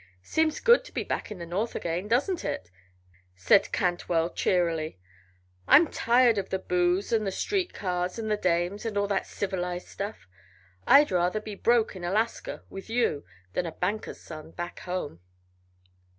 "Seems good to be back in the North again, doesn't it?" said Cantwell, cheerily. "I'm tired of the booze, and the street cars, and the dames, and all that civilized stuff. I'd rather be broke in Alaska with you than a banker's son, back home."